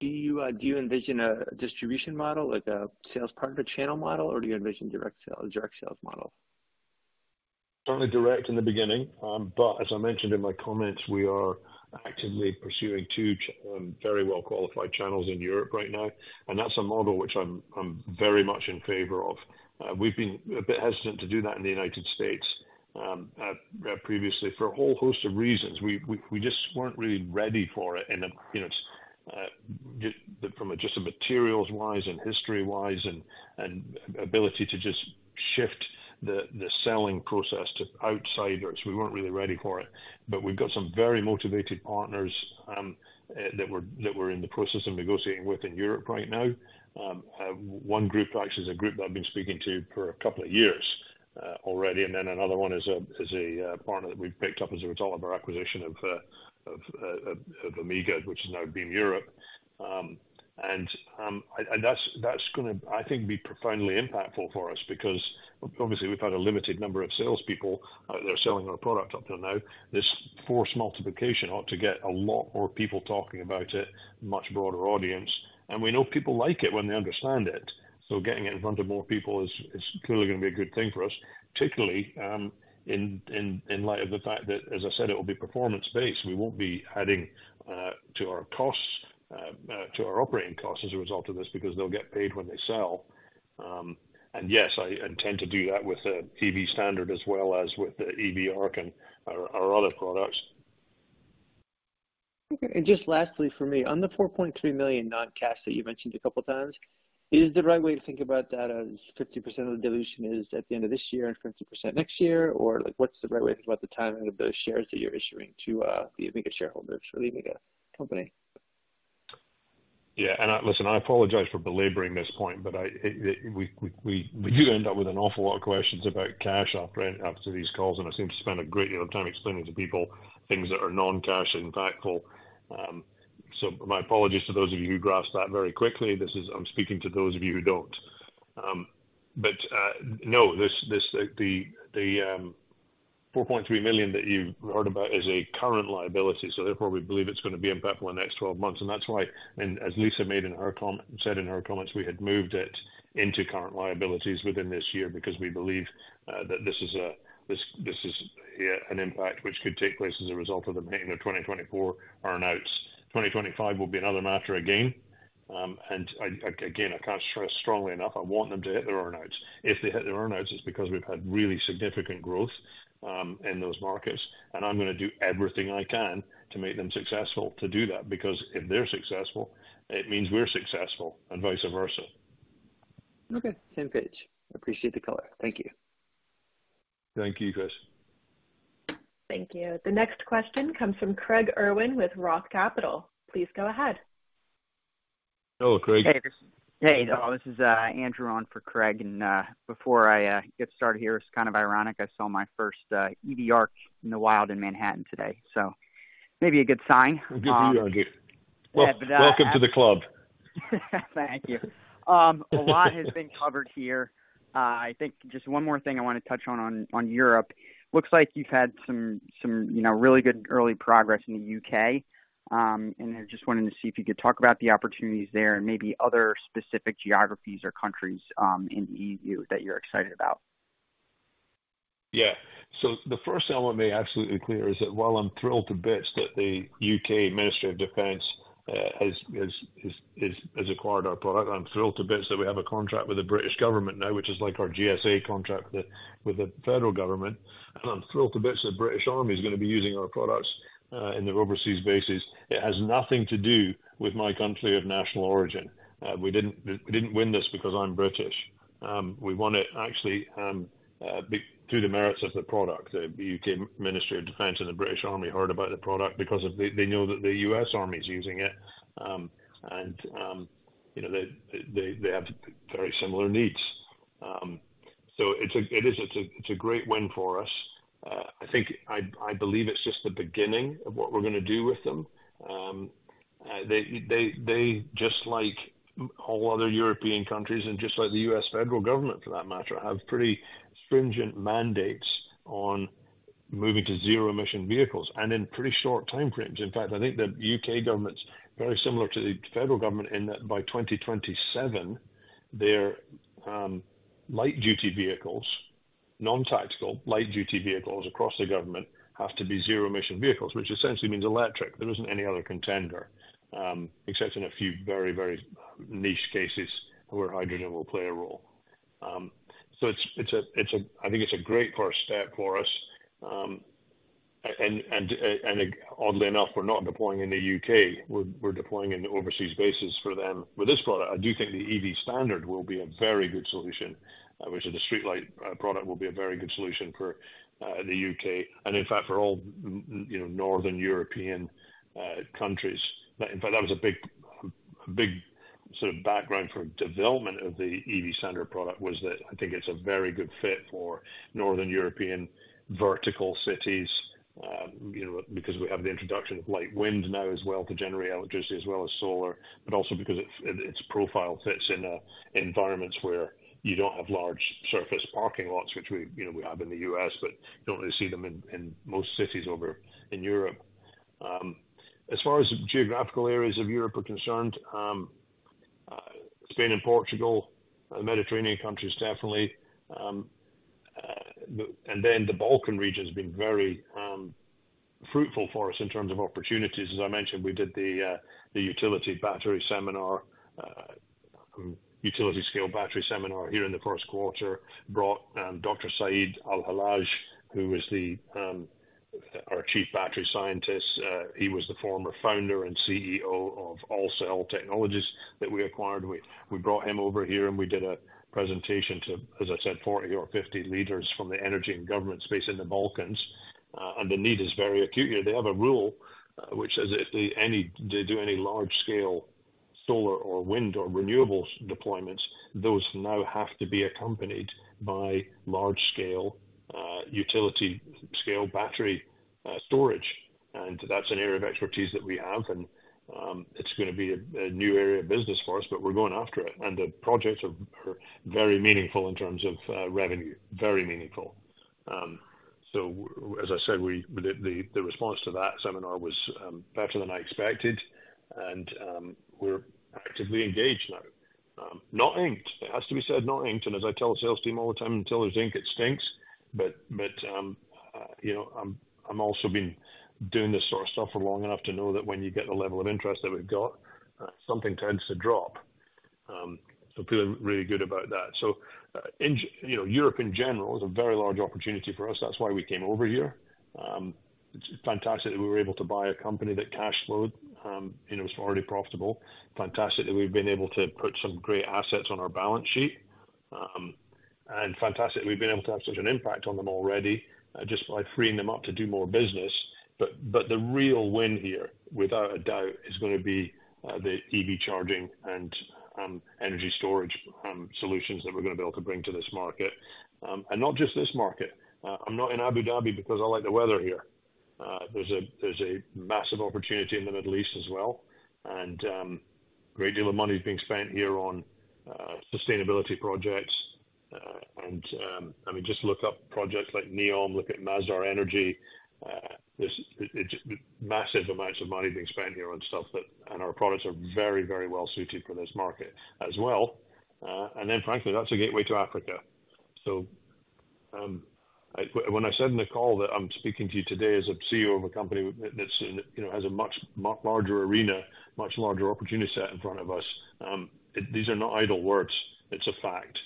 Do you do you envision a distribution model, like a sales partner channel model? Or do you envision direct sales, direct sales model? Certainly direct in the beginning. But as I mentioned in my comments, we are actively pursuing two very well qualified channels in Europe right now, and that's a model which I'm, I'm very much in favor of. We've been a bit hesitant to do that in the United States, previously for a whole host of reasons. We just weren't really ready for it in a, you know, just from a materials wise and history wise and ability to just shift the selling process to outsiders. We weren't really ready for it, but we've got some very motivated partners that we're in the process of negotiating with in Europe right now. One group, actually, is a group that I've been speaking to for a couple of years already, and then another one is a partner that we've picked up as a result of our acquisition of Amiga, which is now Beam Europe. And that's gonna, I think, be profoundly impactful for us because obviously we've had a limited number of salespeople that are selling our product up till now. This force multiplication ought to get a lot more people talking about it, much broader audience, and we know people like it when they understand it. So getting it in front of more people is clearly gonna be a good thing for us, particularly in light of the fact that, as I said, it will be performance-based. We won't be adding to our costs to our operating costs as a result of this, because they'll get paid when they sell. And yes, I intend to do that with the EV Standard as well as with the EV ARC and our other products. Okay, and just lastly for me, on the $4.3 million non-cash that you mentioned a couple times, is the right way to think about that as 50% of the dilution is at the end of this year and 50% next year, or like, what's the right way to think about the timing of those shares that you're issuing to the Amiga shareholders for leaving the company? Yeah, listen, I apologize for belaboring this point, but I, we do end up with an awful lot of questions about cash after these calls, and I seem to spend a great deal of time explaining to people things that are non-cash impactful. So my apologies to those of you who grasped that very quickly. This is, I'm speaking to those of you who don't. But no, this is the $4.3 million that you've heard about is a current liability, so therefore we believe it's gonna be impactful in the next 12 months, and that's why, and as Lisa said in her comments, we had moved it into current liabilities within this year because we believe that this is an impact which could take place as a result of the meeting of 2024 earn-outs. 2025 will be another matter again, and again, I can't stress strongly enough, I want them to hit their earn-outs. If they hit their earn-outs, it's because we've had really significant growth in those markets, and I'm gonna do everything I can to make them successful to do that, because if they're successful, it means we're successful and vice versa. Okay. Same page. I appreciate the color. Thank you. Thank you, Chris. Thank you. The next question comes from Craig Irwin with Roth Capital. Please go ahead. Hello, Craig. Hey, Chris. Hey, this is Andrew on for Craig, and before I get started here, it's kind of ironic. I saw my first EV ARC in the wild in Manhattan today, so maybe a good sign. Welcome to the club. Thank you. A lot has been covered here. I think just one more thing I want to touch on Europe. Looks like you've had some, you know, really good early progress in the UK. And I just wanted to see if you could talk about the opportunities there and maybe other specific geographies or countries in the EU that you're excited about. Yeah. So the first thing I want to make absolutely clear is that while I'm thrilled to bits that the UK Ministry of Defence has acquired our product, I'm thrilled to bits that we have a contract with the British government now, which is like our GSA contract with the federal government, and I'm thrilled to bits that British Army is gonna be using our products in their overseas bases. It has nothing to do with my country of national origin. We didn't win this because I'm British. We won it actually through the merits of the product. The UK Ministry of Defence and the British Army heard about the product because they know that the U.S. Army is using it. And you know, they have very similar needs. So it's a great win for us. I believe it's just the beginning of what we're gonna do with them. They just like all other European countries, and just like the U.S. federal government, for that matter, have pretty stringent mandates on moving to zero-emission vehicles and in pretty short timeframes. In fact, I think the U.K. government's very similar to the federal government in that by 2027, their light-duty vehicles, non-tactical, light-duty vehicles across the government have to be zero-emission vehicles, which essentially means electric. There isn't any other contender, except in a few very, very niche cases where hydrogen will play a role. So it's a great first step for us. Oddly enough, we're not deploying in the U.K., we're deploying in the overseas bases for them. With this product, I do think the EV Standard will be a very good solution, which is the streetlight product will be a very good solution for the U.K., and in fact, for all, you know, northern European countries. In fact, that was a big sort of background for development of the EV Standard product, was that I think it's a very good fit for northern European vertical cities. You know, because we have the introduction of light wind now as well to generate electricity as well as solar, but also because it's, its profile fits in environments where you don't have large surface parking lots, which we, you know, we have in the U.S., but you don't really see them in most cities over in Europe. As far as geographical areas of Europe are concerned, Spain and Portugal, Mediterranean countries, definitely. And then the Balkan region has been very fruitful for us in terms of opportunities. As I mentioned, we did the utility battery seminar, utility-scale battery seminar here in the first quarter. Brought Dr. Said Al-Hallaj, who is our chief battery scientist. He was the former founder and CEO of AllCell Technologies that we acquired. We brought him over here, and we did a presentation to, as I said, 40 or 50 leaders from the energy and government space in the Balkans. And the need is very acute here. They have a rule which says, if they do any large scale solar or wind or renewables deployments, those now have to be accompanied by large scale, utility scale battery storage. And that's an area of expertise that we have, and it's gonna be a new area of business for us, but we're going after it. And the projects are very meaningful in terms of revenue. Very meaningful. So as I said, the response to that seminar was better than I expected, and we're actively engaged now. Not inked, it has to be said, not inked. And as I tell the sales team all the time, until there's ink, it stinks. But you know, I'm also been doing this sort of stuff for long enough to know that when you get the level of interest that we've got, something tends to drop. So feeling really good about that. So you know, Europe in general is a very large opportunity for us. That's why we came over here. It's fantastic that we were able to buy a company that cash flowed and it was already profitable. Fantastic that we've been able to put some great assets on our balance sheet. And fantastic that we've been able to have such an impact on them already, just by freeing them up to do more business. But the real win here, without a doubt, is gonna be the EV charging and energy storage solutions that we're gonna be able to bring to this market. And not just this market. I'm not in Abu Dhabi because I like the weather here. There's a massive opportunity in the Middle East as well, and great deal of money is being spent here on sustainability projects. I mean, just look up projects like NEOM, look at Masdar Energy. There's just massive amounts of money being spent here on stuff that... Our products are very, very well suited for this market as well. Then frankly, that's a gateway to Africa. When I said in the call that I'm speaking to you today as a CEO of a company that you know has a much larger arena, much larger opportunity set in front of us, these are not idle words, it's a fact.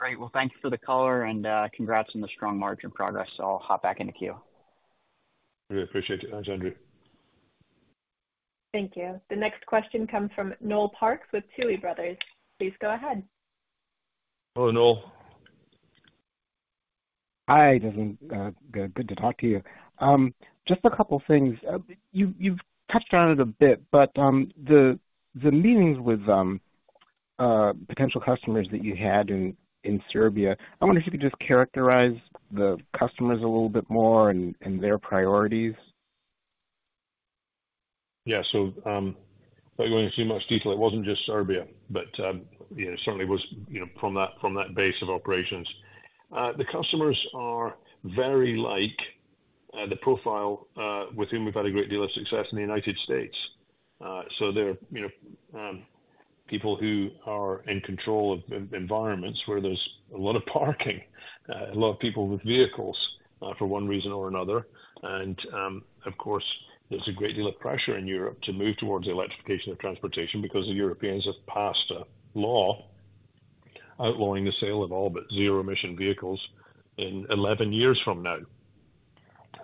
Great. Well, thank you for the color and congrats on the strong margin progress. So I'll hop back in the queue. Really appreciate it. Thanks, Andrew. Thank you. The next question comes from Noel Parks with Tuohy Brothers. Please go ahead. Hello, Noel. Hi, Desmond. Good to talk to you. Just a couple of things. You've touched on it a bit, but the meetings with potential customers that you had in Serbia, I wonder if you could just characterize the customers a little bit more and their priorities. Yeah. So, without going into too much detail, it wasn't just Serbia, but, you know, certainly was, you know, from that, from that base of operations. The customers are very like, the profile, with whom we've had a great deal of success in the United States. So they're, you know, people who are in control of environments where there's a lot of parking, a lot of people with vehicles, for one reason or another. And, of course, there's a great deal of pressure in Europe to move towards the electrification of transportation because the Europeans have passed a law outlawing the sale of all but zero emission vehicles in 11 years from now.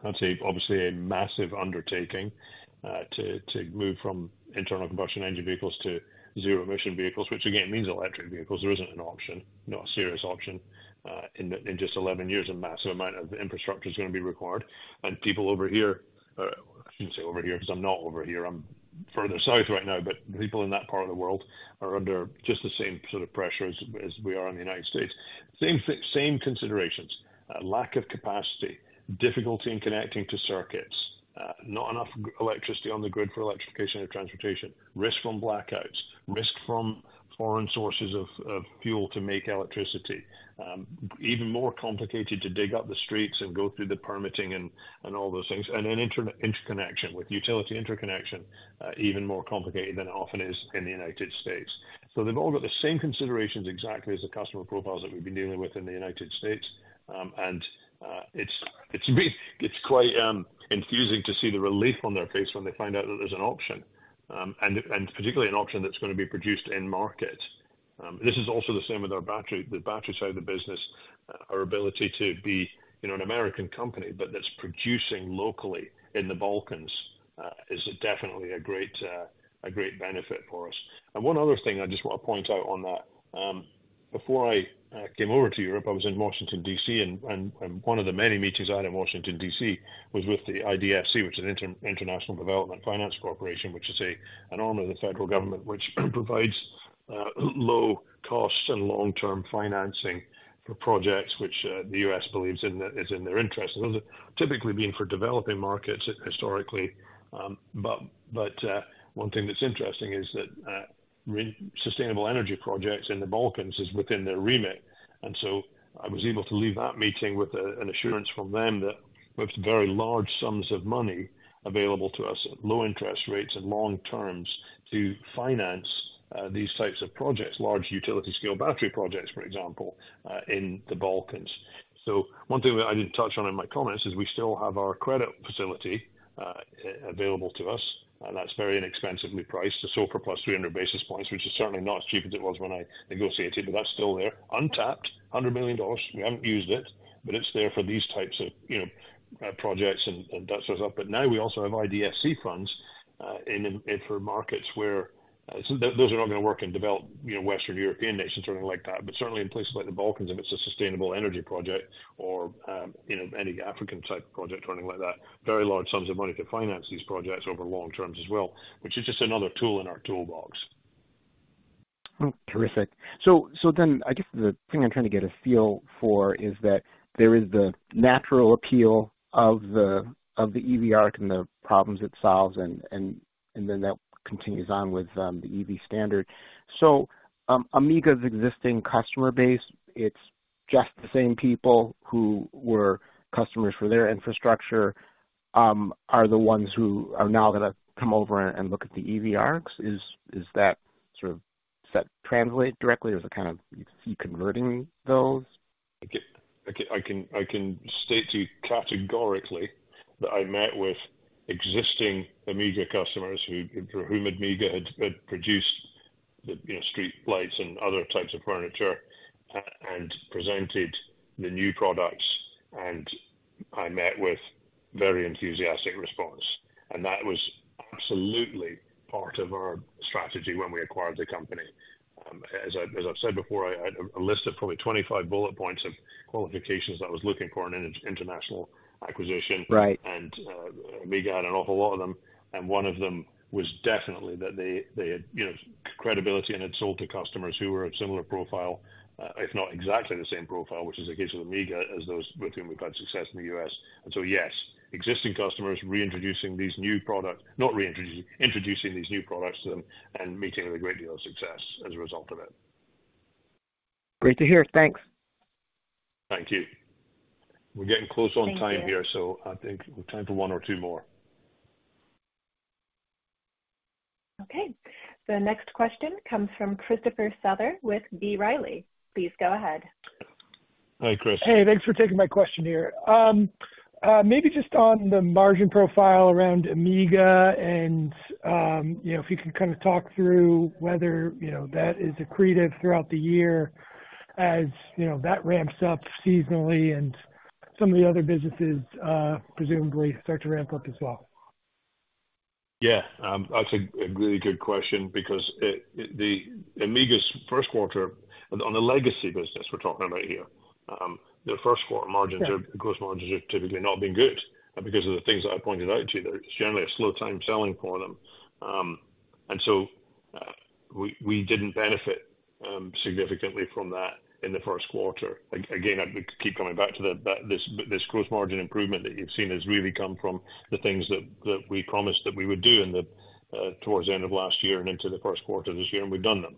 That's obviously a massive undertaking, to, to move from internal combustion engine vehicles to zero emission vehicles, which again, means electric vehicles. There isn't an option, not a serious option, in just 11 years, a massive amount of infrastructure is gonna be required. People over here, I shouldn't say over here, because I'm not over here, I'm further south right now, but people in that part of the world are under just the same sort of pressure as we are in the United States. Same considerations, lack of capacity, difficulty in connecting to circuits, not enough electricity on the grid for electrification and transportation, risk from blackouts, risk from foreign sources of fuel to make electricity. Even more complicated to dig up the streets and go through the permitting and all those things, and then interconnection with utility interconnection, even more complicated than it often is in the United States. So they've all got the same considerations exactly as the customer profiles that we've been dealing with in the United States. And it's quite enthusing to see the relief on their face when they find out that there's an option, and particularly an option that's gonna be produced in market. This is also the same with our battery, the battery side of the business, our ability to be, you know, an American company, but that's producing locally in the Balkans, is definitely a great benefit for us. And one other thing I just want to point out on that, before I came over to Europe, I was in Washington, D.C., and one of the many meetings I had in Washington, D.C., was with the IDFC, which is an International Development Finance Corporation, which is a, an arm of the federal government, which provides low costs and long-term financing for projects which the U.S. believes in, that is in their interest. Those are typically being for developing markets historically. But one thing that's interesting is that sustainable energy projects in the Balkans is within their remit, and so I was able to leave that meeting with an assurance from them that with very large sums of money available to us at low interest rates and long terms to finance these types of projects, large utility scale battery projects, for example, in the Balkans. So one thing that I didn't touch on in my comments is we still have our credit facility available to us, and that's very inexpensively priced. So for +300 basis points, which is certainly not as cheap as it was when I negotiated, but that's still there, untapped, $100 million. We haven't used it, but it's there for these types of, you know, projects and that sort of stuff. But now we also have IDFC funds for markets where, so those are not gonna work in developed, you know, Western European nations or anything like that. But certainly in places like the Balkans, if it's a sustainable energy project or, you know, any African type project or anything like that, very large sums of money to finance these projects over long terms as well, which is just another tool in our toolbox. Terrific. So then I guess the thing I'm trying to get a feel for is that there is the natural appeal of the, of the EV ARC and the problems it solves, and then that continues on with the EV Standard. So Amiga's existing customer base, it's just the same people who were customers for their infrastructure are the ones who are now gonna come over and look at the EV ARCs? Is that sort of, does that translate directly, or is it kind of you converting those? I can state to you categorically that I met with existing Amiga customers who, for whom Amiga had produced the, you know, streetlights and other types of furniture, and presented the new products, and I met with very enthusiastic response. And that was absolutely part of our strategy when we acquired the company. As I've said before, I had a list of probably 25 bullet points of qualifications I was looking for in an international acquisition. Right. Amiga had an awful lot of them, and one of them was definitely that they had, you know, credibility and had sold to customers who were of similar profile, if not exactly the same profile, which is the case with Amiga as those with whom we've had success in the U.S. Yes, existing customers reintroducing these new products, not reintroducing, introducing these new products to them and meeting with a great deal of success as a result of it. Great to hear. Thanks. Thank you. We're getting close on time here. Thank you. I think we have time for one or two more. Okay. The next question comes from Christopher Souther with B. Riley. Please go ahead. Hi, Chris. Hey, thanks for taking my question here. Maybe just on the margin profile around Amiga and, you know, if you could kind of talk through whether, you know, that is accretive throughout the year, as, you know, that ramps up seasonally and some of the other businesses, presumably start to ramp up as well. Yeah, that's a really good question because it, the Amiga's first quarter, on the legacy business we're talking about here, their first quarter margins are- Yeah. Gross margins have typically not been good because of the things that I pointed out to you. They're generally a slow time selling for them. And so, we didn't benefit significantly from that in the first quarter. Again, I keep coming back to the fact that this gross margin improvement that you've seen has really come from the things that we promised that we would do towards the end of last year and into the first quarter of this year, and we've done them.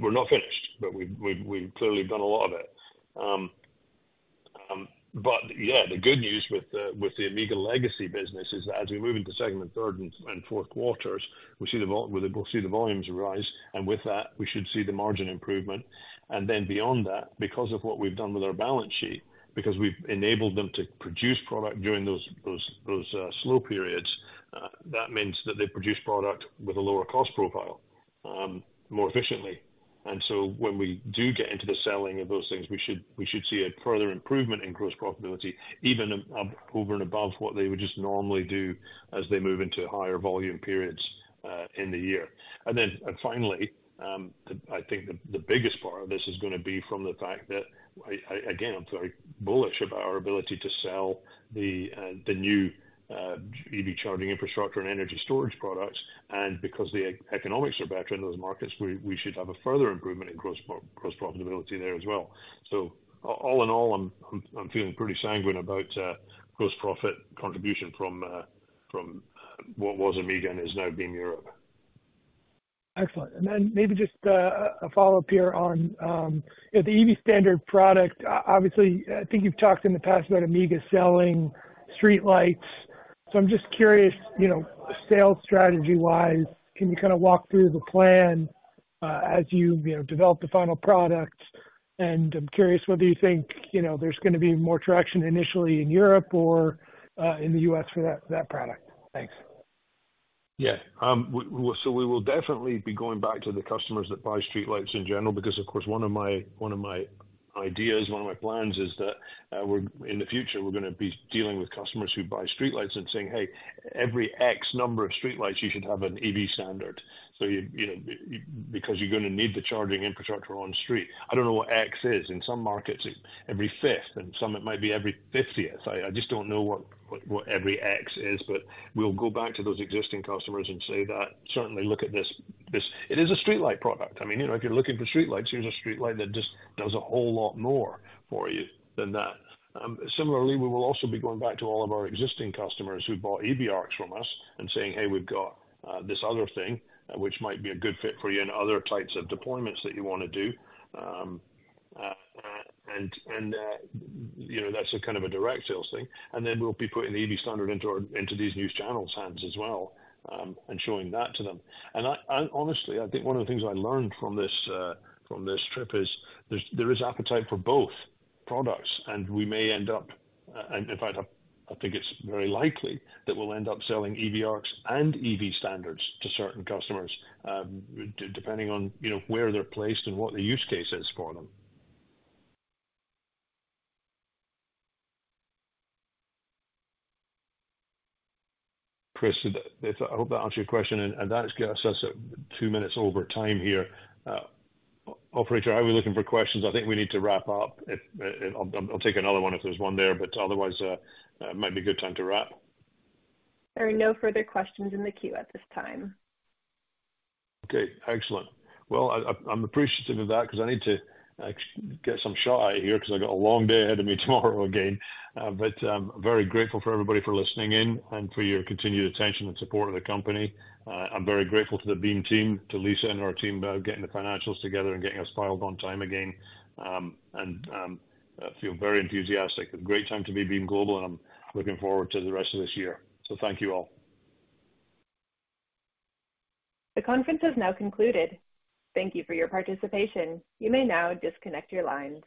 We're not finished, but we've clearly done a lot of it. But yeah, the good news with the Amiga legacy business is that as we move into second and third and fourth quarters, we'll see the volumes rise, and with that, we should see the margin improvement. And then beyond that, because of what we've done with our balance sheet, because we've enabled them to produce product during those slow periods, that means that they produce product with a lower cost profile, more efficiently. And so when we do get into the selling of those things, we should see a further improvement in gross profitability, even up over and above what they would just normally do as they move into higher volume periods in the year. And then, finally, I think the biggest part of this is gonna be from the fact that I again I'm very bullish about our ability to sell the new EV charging infrastructure and energy storage products, and because the economics are better in those markets, we should have a further improvement in gross profitability there as well. So all in all, I'm feeling pretty sanguine about gross profit contribution from what was Amiga and is now Beam Europe. Excellent. And then maybe just a follow-up here on the EV Standard product. Obviously, I think you've talked in the past about Amiga selling streetlights. So I'm just curious, you know, sales strategy-wise, can you kind of walk through the plan as you, you know, develop the final product? And I'm curious whether you think, you know, there's gonna be more traction initially in Europe or in the U.S. for that, that product. Thanks.... Yeah, we, so we will definitely be going back to the customers that buy streetlights in general, because, of course, one of my, one of my ideas, one of my plans is that, we're in the future, we're gonna be dealing with customers who buy streetlights and saying, "Hey, every X number of streetlights, you should have an EV Standard." So you, you know, because you're gonna need the charging infrastructure on street. I don't know what X is. In some markets, it's every fifth, and some it might be every fiftieth. I just don't know what every X is, but we'll go back to those existing customers and say that, certainly look at this. It is a streetlight product. I mean, you know, if you're looking for streetlights, here's a streetlight that just does a whole lot more for you than that. Similarly, we will also be going back to all of our existing customers who bought EV ARCs from us and saying, "Hey, we've got this other thing which might be a good fit for you and other types of deployments that you wanna do." And you know, that's a kind of a direct sales thing. And then we'll be putting the EV Standard into these new channels' hands as well, and showing that to them. I honestly think one of the things I learned from this trip is there is appetite for both products, and we may end up, and in fact, I think it's very likely, that we'll end up selling EV ARCs and EV Standards to certain customers, depending on, you know, where they're placed and what the use case is for them. Chris, I hope that answered your question, and that gets us at two minutes over time here. Operator, are we looking for questions? I think we need to wrap up. If I'll take another one if there's one there, but otherwise, it might be a good time to wrap. There are no further questions in the queue at this time. Okay, excellent. Well, I'm appreciative of that because I need to get some shut eye here because I got a long day ahead of me tomorrow again. But I'm very grateful for everybody for listening in and for your continued attention and support of the company. I'm very grateful to the Beam team, to Lisa and her team, about getting the financials together and getting us filed on time again. I feel very enthusiastic. A great time to be Beam Global, and I'm looking forward to the rest of this year. So thank you all. The conference has now concluded. Thank you for your participation. You may now disconnect your lines.